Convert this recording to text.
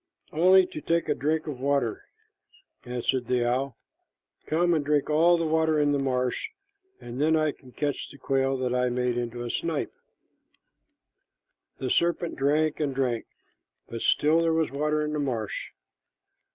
"Only to take a drink of water," answered the owl. "Come and drink all the water in the marsh, and then I can catch the quail that I made into a snipe." The serpent drank and drank, but still there was water in the marsh.